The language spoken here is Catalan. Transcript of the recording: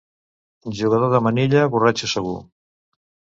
Jugador de manilla, borratxo segur.